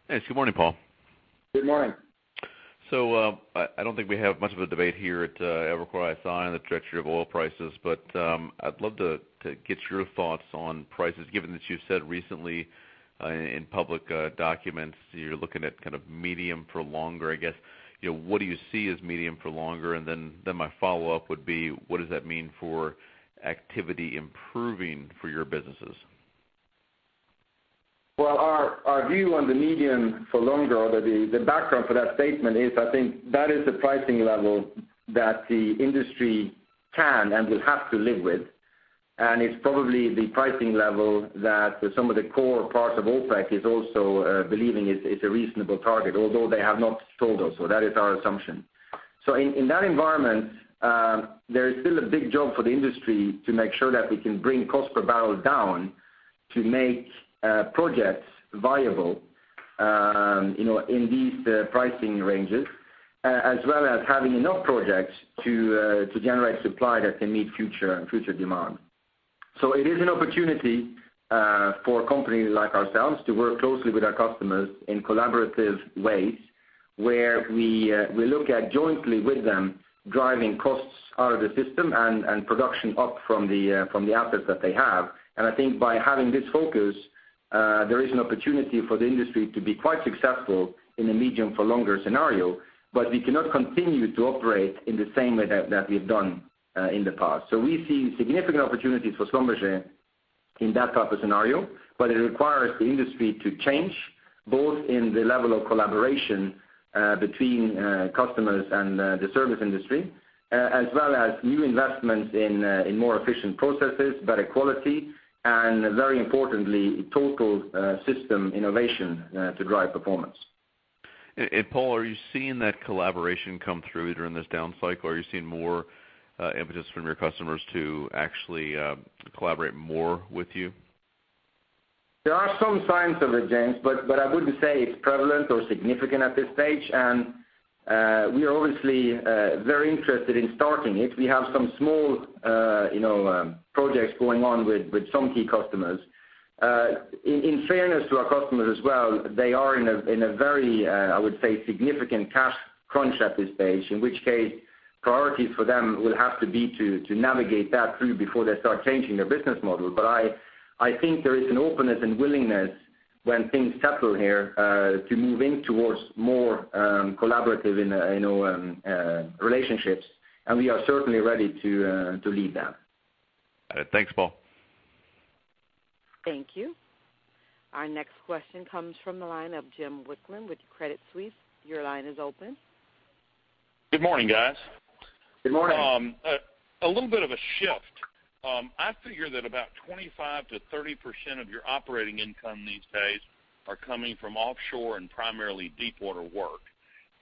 Yes, good morning, Paal. Good morning. I don't think we have much of a debate here at Evercore ISI on the trajectory of oil prices, but I'd love to get your thoughts on prices, given that you've said recently in public documents you're looking at kind of medium for longer, I guess. What do you see as medium for longer? My follow-up would be, what does that mean for activity improving for your businesses? Well, our view on the medium for longer, or the background for that statement is, I think that is the pricing level that the industry can and will have to live with. It's probably the pricing level that some of the core parts of OPEC is also believing it's a reasonable target, although they have not told us, so that is our assumption. In that environment, there is still a big job for the industry to make sure that we can bring cost per barrel down to make projects viable in these pricing ranges, as well as having enough projects to generate supply that can meet future demand. It is an opportunity for companies like ourselves to work closely with our customers in collaborative ways, where we look at jointly with them, driving costs out of the system and production up from the assets that they have. I think by having this focus, there is an opportunity for the industry to be quite successful in the medium for longer scenario, but we cannot continue to operate in the same way that we've done in the past. We see significant opportunities for Schlumberger in that type of scenario, but it requires the industry to change, both in the level of collaboration between customers and the service industry, as well as new investments in more efficient processes, better quality, and very importantly, total system innovation to drive performance. Paal, are you seeing that collaboration come through during this down cycle? Are you seeing more impetus from your customers to actually collaborate more with you? There are some signs of it, James, but I wouldn't say it's prevalent or significant at this stage. We are obviously very interested in starting it. We have some small projects going on with some key customers. In fairness to our customers as well, they are in a very, I would say, significant cash crunch at this stage. In which case, priority for them will have to be to navigate that through before they start changing their business model. I think there is an openness and willingness when things settle here to move in towards more collaborative relationships, and we are certainly ready to lead that. Got it. Thanks, Paal. Thank you. Our next question comes from the line of Jim Wicklund with Credit Suisse. Your line is open. Good morning, guys. Good morning. A little bit of a shift. I figure that about 25%-30% of your operating income these days are coming from offshore and primarily deepwater work.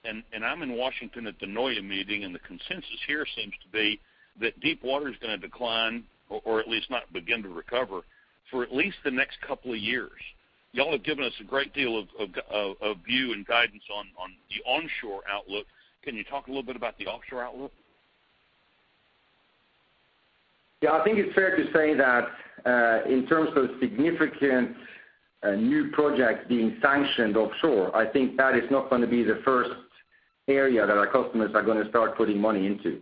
I'm in Washington at the NOIA meeting, and the consensus here seems to be that deepwater is going to decline, or at least not begin to recover, for at least the next couple of years. You all have given us a great deal of view and guidance on the onshore outlook. Can you talk a little bit about the offshore outlook? Yeah, I think it's fair to say that in terms of significant new projects being sanctioned offshore, I think that is not going to be the first area that our customers are going to start putting money into.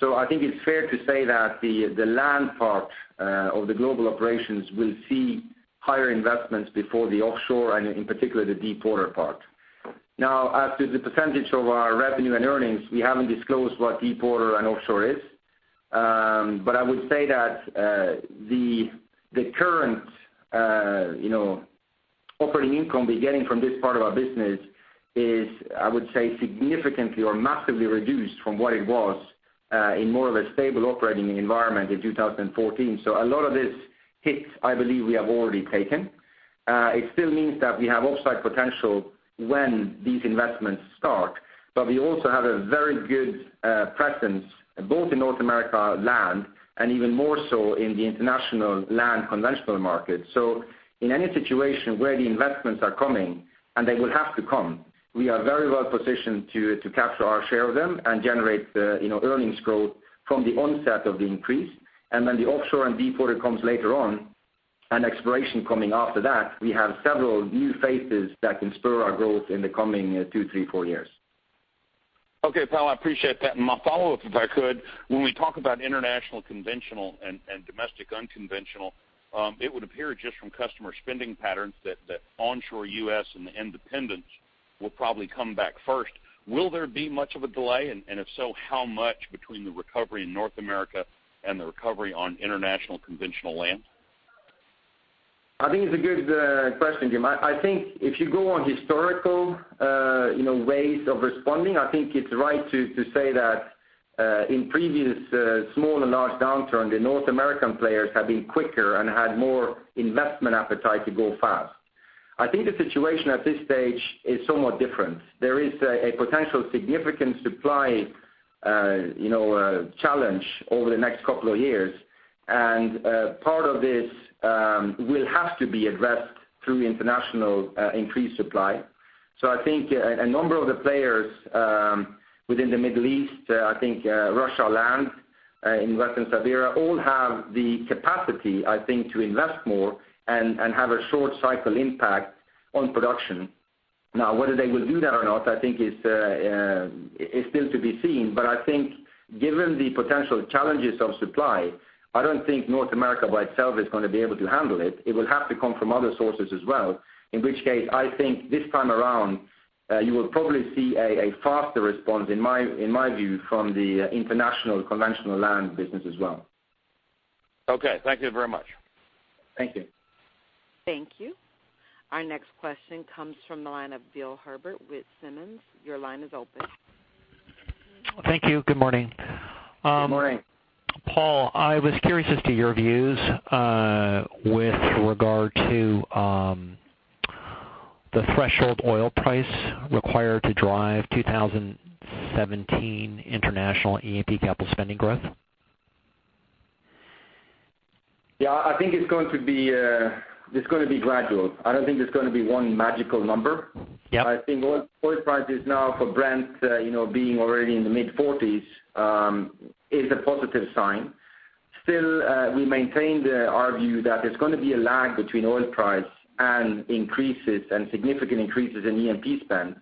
I think it's fair to say that the land part of the global operations will see higher investments before the offshore and in particular, the deepwater part. Now, as to the percentage of our revenue and earnings, we haven't disclosed what deepwater and offshore is. I would say that the current operating income we're getting from this part of our business is, I would say, significantly or massively reduced from what it was in more of a stable operating environment in 2014. A lot of this hit, I believe we have already taken. It still means that we have upside potential when these investments start, but we also have a very good presence both in North America land and even more so in the international land conventional market. In any situation where the investments are coming, and they will have to come, we are very well positioned to capture our share of them and generate the earnings growth from the onset of the increase. When the offshore and deepwater comes later on, and exploration coming after that, we have several new phases that can spur our growth in the coming two, three, four years. Okay, Paal, I appreciate that. My follow-up, if I could. When we talk about international conventional and domestic unconventional, it would appear just from customer spending patterns that onshore U.S. and the independents will probably come back first. Will there be much of a delay? If so, how much between the recovery in North America and the recovery on international conventional land? I think it's a good question, Jim. I think if you go on historical ways of responding, I think it's right to say that in previous small and large downturn, the North American players have been quicker and had more investment appetite to go fast. I think the situation at this stage is somewhat different. There is a potential significant supply challenge over the next couple of years, and part of this will have to be addressed through international increased supply. I think a number of the players within the Middle East, I think Russia land, in Western Siberia, all have the capacity, I think, to invest more and have a short cycle impact on production. Whether they will do that or not, I think is still to be seen. I think given the potential challenges of supply, I don't think North America by itself is going to be able to handle it. It will have to come from other sources as well, in which case, I think this time around, you will probably see a faster response in my view, from the international conventional land business as well. Okay. Thank you very much. Thank you. Thank you. Our next question comes from the line of Bill Herbert with Simmons. Your line is open. Thank you. Good morning. Good morning. Paal, I was curious as to your views with regard to the threshold oil price required to drive 2017 international E&P capital spending growth. Yeah, I think it's going to be gradual. I don't think there's going to be one magical number. Yep. I think oil prices now for Brent being already in the mid-40s, is a positive sign. Still, we maintain our view that there's going to be a lag between oil price and significant increases in E&P spend.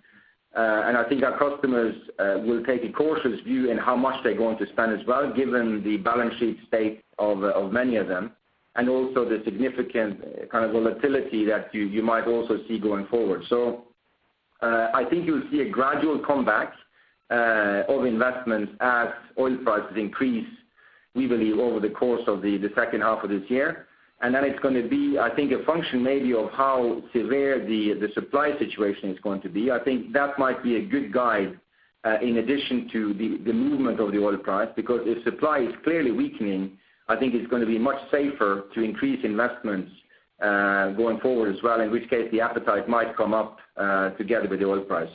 I think our customers will take a cautious view in how much they're going to spend as well, given the balance sheet state of many of them, and also the significant kind of volatility that you might also see going forward. I think you'll see a gradual comeback of investments as oil prices increase, we believe, over the course of the second half of this year. it's going to be, I think, a function maybe of how severe the supply situation is going to be. I think that might be a good guide, in addition to the movement of the oil price, because if supply is clearly weakening, I think it's going to be much safer to increase investments going forward as well, in which case the appetite might come up together with the oil price.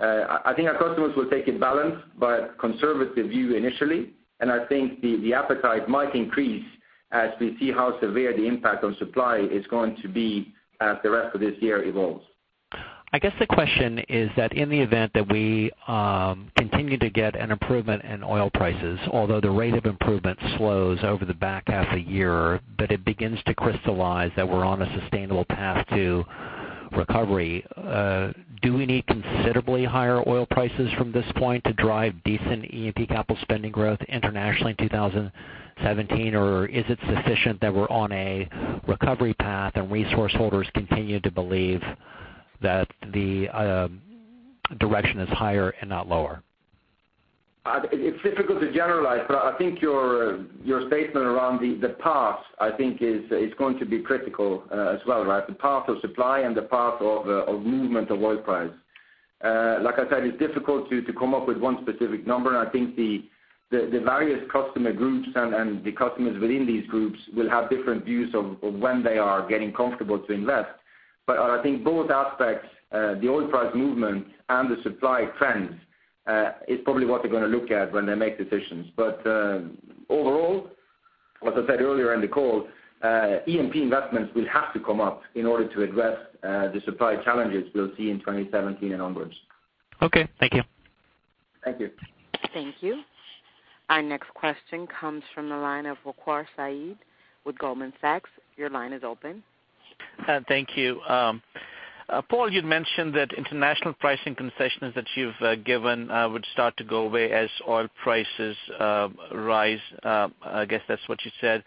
I think our customers will take a balanced but conservative view initially, and I think the appetite might increase as we see how severe the impact on supply is going to be as the rest of this year evolves. I guess the question is that in the event that we continue to get an improvement in oil prices, although the rate of improvement slows over the back half a year, but it begins to crystallize that we're on a sustainable path to recovery. Do we need considerably higher oil prices from this point to drive decent E&P capital spending growth internationally in 2017? Is it sufficient that we're on a recovery path and resource holders continue to believe that the direction is higher and not lower? It's difficult to generalize, I think your statement around the path, I think is going to be critical as well, right? The path of supply and the path of movement of oil price. I said, it's difficult to come up with one specific number, and I think the various customer groups and the customers within these groups will have different views of when they are getting comfortable to invest. Overall, as I said earlier in the call, E&P investments will have to come up in order to address the supply challenges we'll see in 2017 and onwards. Okay. Thank you. Thank you. Thank you. Our next question comes from the line of Waqar Syed with Goldman Sachs. Your line is open. Thank you. Paal, you'd mentioned that international pricing concessions that you've given would start to go away as oil prices rise. I guess that's what you said.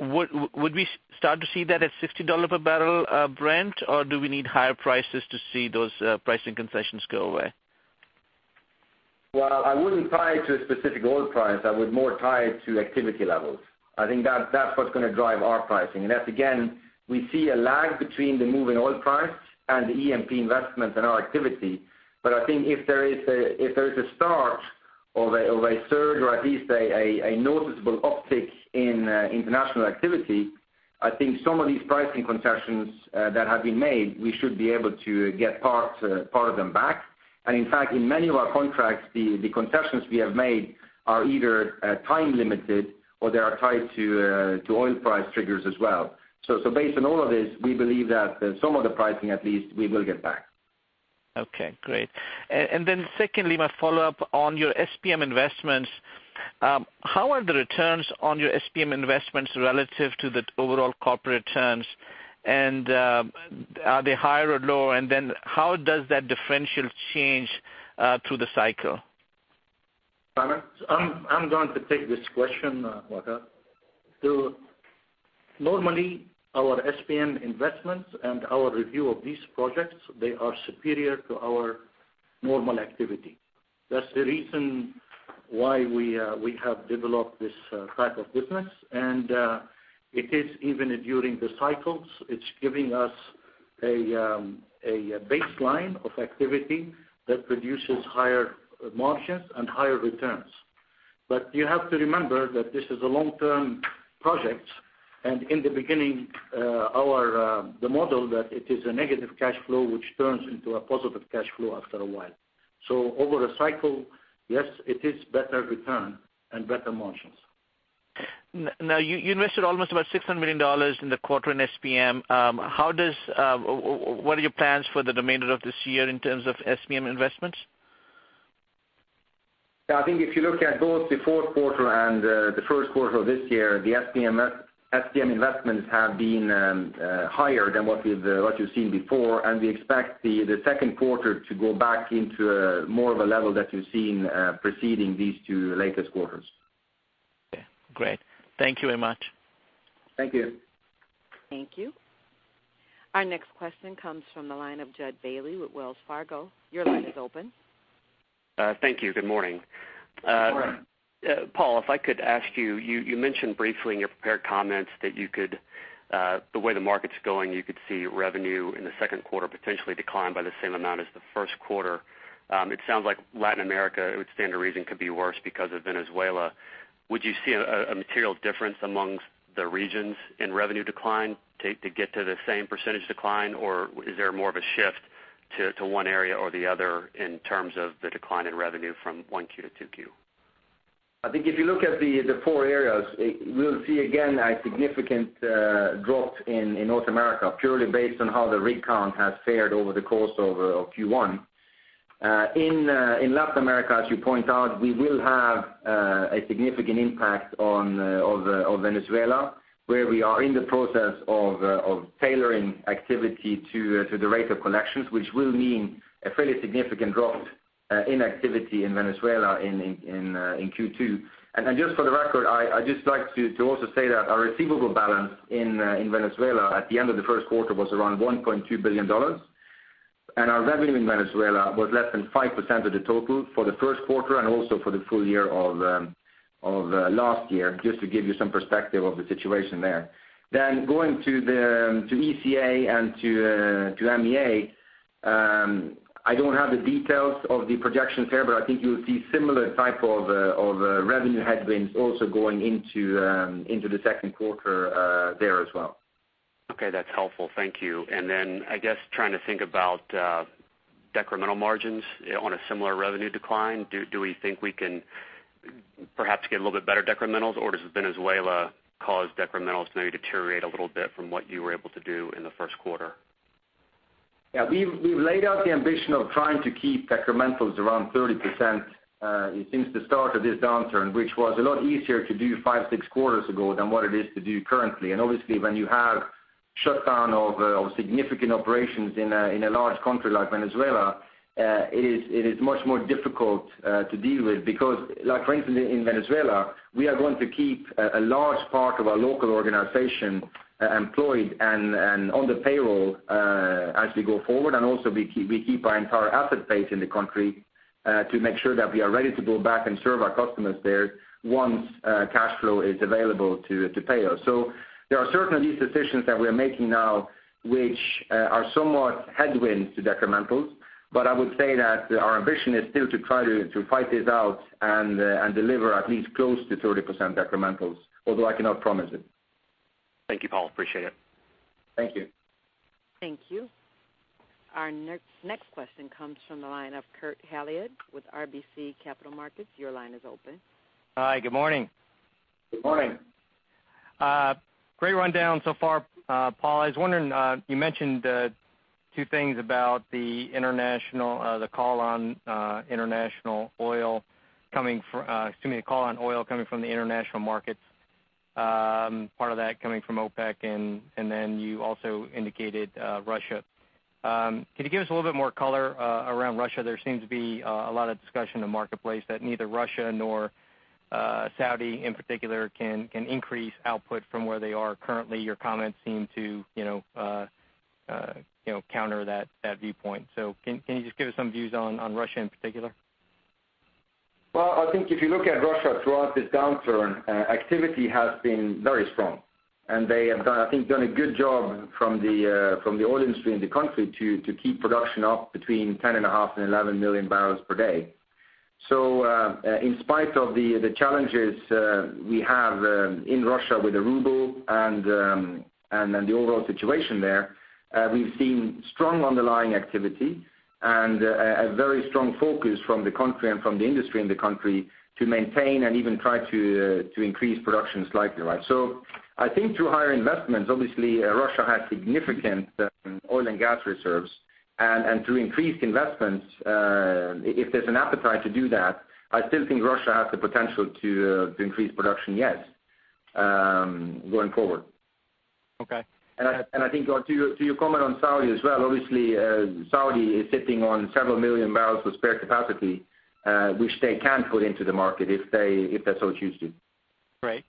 Would we start to see that at $60 per barrel Brent, or do we need higher prices to see those pricing concessions go away? I wouldn't tie it to a specific oil price. I would more tie it to activity levels. I think that's what's going to drive our pricing. That, again, we see a lag between the moving oil price and the E&P investment and our activity. I think if there is a start of a surge or at least a noticeable uptick in international activity, I think some of these pricing concessions that have been made, we should be able to get part of them back. In fact, in many of our contracts, the concessions we have made are either time-limited or they are tied to oil price triggers as well. Based on all of this, we believe that some of the pricing, at least, we will get back. Okay, great. Secondly, my follow-up on your SPM investments. How are the returns on your SPM investments relative to the overall corporate returns? Are they higher or lower? How does that differential change through the cycle? Tamer, I'm going to take this question, Waqar Syed. Normally, our SPM investments and our review of these projects, they are superior to our normal activity. That's the reason why we have developed this type of business. It is even during the cycles, it's giving us a baseline of activity that produces higher margins and higher returns. You have to remember that this is a long-term project, and in the beginning, the model that it is a negative cash flow, which turns into a positive cash flow after a while. Over a cycle, yes, it is better return and better margins. You invested almost about $600 million in the quarter in SPM. What are your plans for the remainder of this year in terms of SPM investments? I think if you look at both the fourth quarter and the first quarter of this year, the SPM investments have been higher than what you've seen before, and we expect the second quarter to go back into more of a level that you've seen preceding these two latest quarters. Okay, great. Thank you very much. Thank you. Thank you. Our next question comes from the line of Jud Bailey with Wells Fargo. Your line is open. Thank you. Good morning. Good morning. Paal, if I could ask you mentioned briefly in your prepared comments that the way the market's going, you could see revenue in the second quarter potentially decline by the same amount as the first quarter. It sounds like Latin America, it would stand to reason, could be worse because of Venezuela. Would you see a material difference amongst the regions in revenue decline to get to the same percentage decline? Or is there more of a shift to one area or the other in terms of the decline in revenue from one Q to two Q? I think if you look at the four areas, we'll see again a significant drop in North America, purely based on how the rig count has fared over the course of Q1. In Latin America, as you point out, we will have a significant impact of Venezuela, where we are in the process of tailoring activity to the rate of collections, which will mean a fairly significant drop in activity in Venezuela in Q2. Just for the record, I'd just like to also say that our receivable balance in Venezuela at the end of the first quarter was around $1.2 billion, and our revenue in Venezuela was less than 5% of the total for the first quarter and also for the full year of last year, just to give you some perspective of the situation there. Going to ECA and to MEA, I don't have the details of the projections there, but I think you'll see similar type of revenue headwinds also going into the second quarter there as well. Okay, that's helpful. Thank you. I guess, trying to think about decremental margins on a similar revenue decline. Do we think we can perhaps get a little bit better decrementals, or does Venezuela cause decrementals to maybe deteriorate a little bit from what you were able to do in the first quarter? Yeah. We've laid out the ambition of trying to keep decrementals around 30% since the start of this downturn, which was a lot easier to do five, six quarters ago than what it is to do currently. When you have shutdown of significant operations in a large country like Venezuela, it is much more difficult to deal with because, for instance, in Venezuela, we are going to keep a large part of our local organization employed and on the payroll as we go forward. We keep our entire asset base in the country to make sure that we are ready to go back and serve our customers there once cash flow is available to pay us. There are certainly these decisions that we are making now which are somewhat headwinds to decrementals. I would say that our ambition is still to try to fight this out and deliver at least close to 30% decrementals, although I cannot promise it. Thank you, Paal. Appreciate it. Thank you. Thank you. Our next question comes from the line of Kurt Hallead with RBC Capital Markets. Your line is open. Hi, good morning. Good morning. Great rundown so far, Paal. I was wondering, you mentioned Two things about the call on oil coming from the international markets, part of that coming from OPEC, and then you also indicated Russia. Can you give us a little bit more color around Russia? There seems to be a lot of discussion in the marketplace that neither Russia nor Saudi, in particular, can increase output from where they are currently. Your comments seem to counter that viewpoint. Can you just give us some views on Russia in particular? I think if you look at Russia throughout this downturn, activity has been very strong, and they have, I think, done a good job from the oil industry in the country to keep production up between 10.5 million-11 million barrels per day. In spite of the challenges we have in Russia with the ruble and the overall situation there, we've seen strong underlying activity and a very strong focus from the country and from the industry in the country to maintain and even try to increase production slightly. I think through higher investments, obviously, Russia has significant oil and gas reserves, and through increased investments, if there's an appetite to do that, I still think Russia has the potential to increase production, yes, going forward. Okay. I think to your comment on Saudi as well, obviously, Saudi is sitting on several million barrels of spare capacity, which they can put into the market if they so choose to. Great.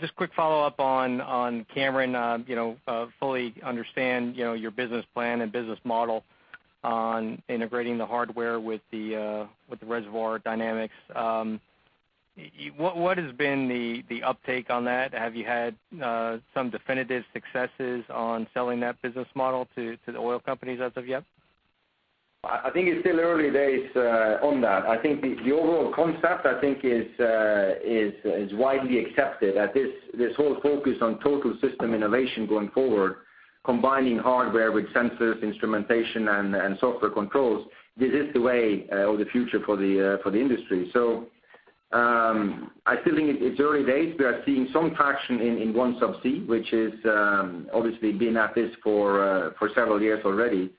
Just quick follow-up on Cameron, fully understand your business plan and business model on integrating the hardware with the reservoir dynamics. What has been the uptake on that? Have you had some definitive successes on selling that business model to the oil companies as of yet? I think it's still early days on that. I think the overall concept, I think is widely accepted, that this whole focus on total system innovation going forward, combining hardware with sensors, instrumentation, and software controls, this is the way of the future for the industry. I still think it's early days. We are seeing some traction in OneSubsea, which is obviously been at this for several years already.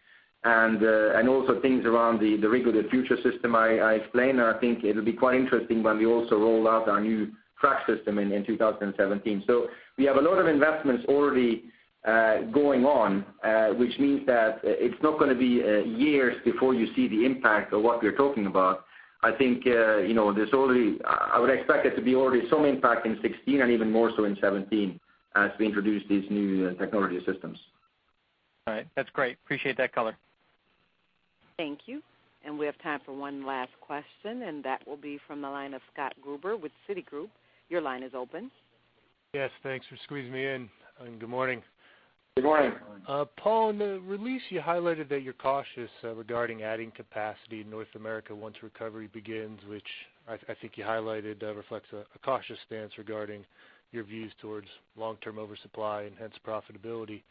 Things around the Rig of the Future system I explained, and I think it'll be quite interesting when we also roll out our new frac system in 2017. We have a lot of investments already going on, which means that it's not going to be years before you see the impact of what we're talking about. I would expect there to be already some impact in 2016 and even more so in 2017 as we introduce these new technology systems. All right. That's great. Appreciate that color. Thank you. We have time for one last question, and that will be from the line of Scott Gruber with Citigroup. Your line is open. Yes, thanks for squeezing me in, and good morning. Good morning. Paal, in the release, you highlighted that you're cautious regarding adding capacity in North America once recovery begins, which I think you highlighted reflects a cautious stance regarding your views towards long-term oversupply and hence profitability.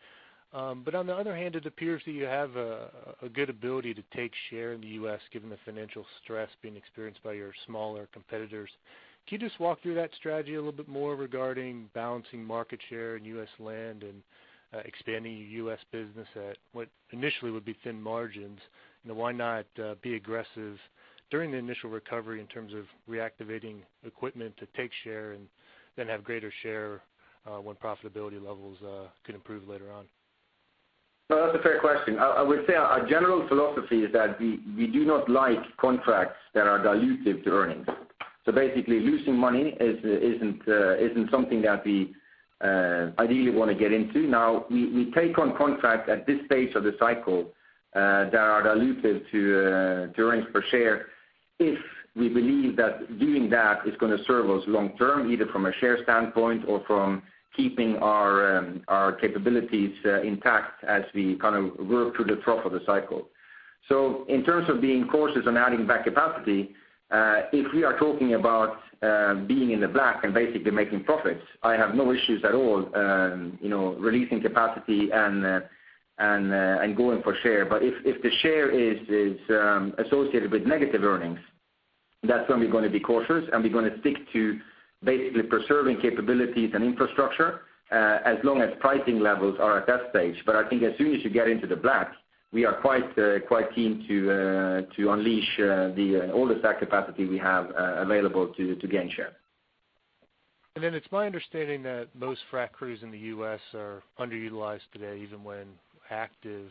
On the other hand, it appears that you have a good ability to take share in the U.S. given the financial stress being experienced by your smaller competitors. Can you just walk through that strategy a little bit more regarding balancing market share in U.S. land and expanding your U.S. business at what initially would be thin margins? Why not be aggressive during the initial recovery in terms of reactivating equipment to take share and then have greater share when profitability levels can improve later on? No, that's a fair question. I would say our general philosophy is that we do not like contracts that are dilutive to earnings. Basically, losing money isn't something that we ideally want to get into. Now, we take on contracts at this stage of the cycle that are dilutive to earnings per share if we believe that doing that is going to serve us long term, either from a share standpoint or from keeping our capabilities intact as we kind of work through the trough of the cycle. In terms of being cautious on adding back capacity, if we are talking about being in the black and basically making profits, I have no issues at all releasing capacity and going for share. If the share is associated with negative earnings, that's when we're going to be cautious, and we're going to stick to basically preserving capabilities and infrastructure, as long as pricing levels are at that stage. I think as soon as you get into the black, we are quite keen to unleash all of that capacity we have available to gain share. It's my understanding that most frac crews in the U.S. are underutilized today, even when active.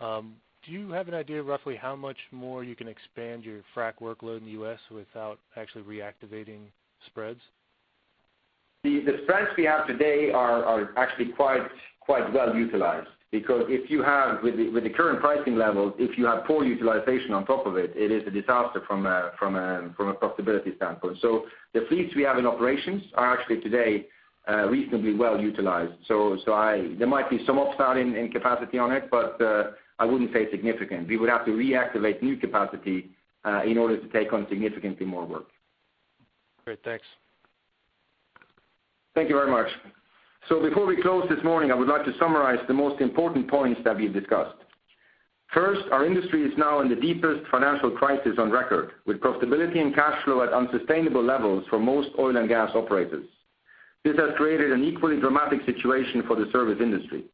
Do you have an idea of roughly how much more you can expand your frac workload in the U.S. without actually reactivating spreads? The spreads we have today are actually quite well utilized because with the current pricing levels, if you have poor utilization on top of it is a disaster from a profitability standpoint. The fleets we have in operations are actually today reasonably well utilized. There might be some upside in capacity on it, but I wouldn't say significant. We would have to reactivate new capacity in order to take on significantly more work. Great. Thanks. Thank you very much. Before we close this morning, I would like to summarize the most important points that we've discussed. First, our industry is now in the deepest financial crisis on record, with profitability and cash flow at unsustainable levels for most oil and gas operators. This has created an equally dramatic situation for the service industry.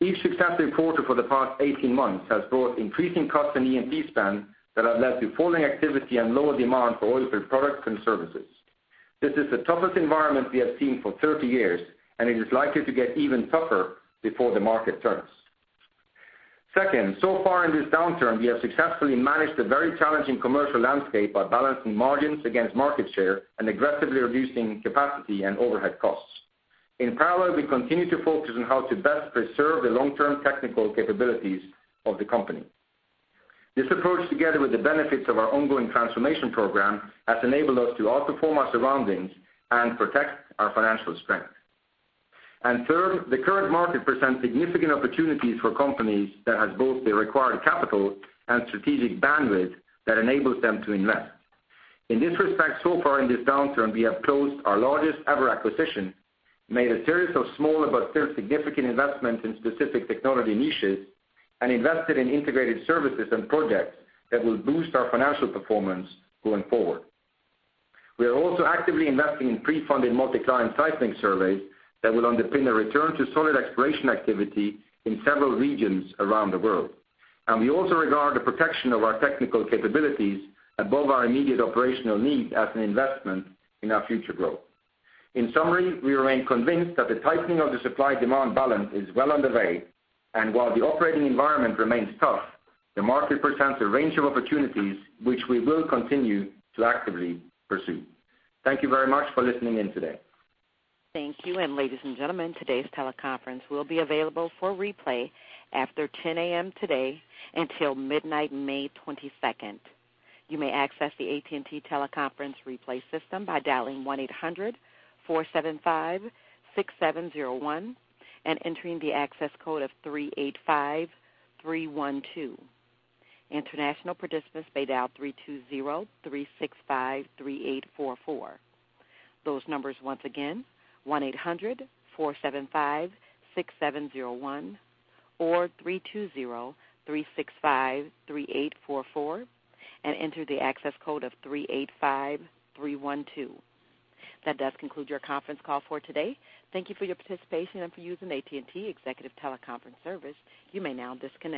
Each successive quarter for the past 18 months has brought increasing costs in E&P spend that have led to falling activity and lower demand for oilfield products and services. This is the toughest environment we have seen for 30 years, and it is likely to get even tougher before the market turns. Second, so far in this downturn, we have successfully managed a very challenging commercial landscape by balancing margins against market share and aggressively reducing capacity and overhead costs. In parallel, we continue to focus on how to best preserve the long-term technical capabilities of the company. This approach, together with the benefits of our ongoing transformation program, has enabled us to outperform our surroundings and protect our financial strength. Third, the current market presents significant opportunities for companies that have both the required capital and strategic bandwidth that enables them to invest. In this respect, so far in this downturn, we have closed our largest-ever acquisition, made a series of small but still significant investments in specific technology niches, and invested in integrated services and projects that will boost our financial performance going forward. We are also actively investing in pre-funded Multi-Client seismic surveys that will underpin a return to solid exploration activity in several regions around the world. We also regard the protection of our technical capabilities above our immediate operational needs as an investment in our future growth. In summary, we remain convinced that the tightening of the supply-demand balance is well underway, and while the operating environment remains tough, the market presents a range of opportunities which we will continue to actively pursue. Thank you very much for listening in today. Thank you. Ladies and gentlemen, today's teleconference will be available for replay after 10:00 A.M. today until midnight, May 22nd. You may access the AT&T Teleconference replay system by dialing 1-800-475-6701 and entering the access code of 385312. International participants may dial 3203653844. Those numbers once again, 1-800-475-6701 or 3203653844, and enter the access code of 385312. That does conclude your conference call for today. Thank you for your participation and for using AT&T Executive Teleconference Service. You may now disconnect.